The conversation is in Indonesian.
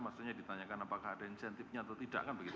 maksudnya ditanyakan apakah ada insentifnya atau tidak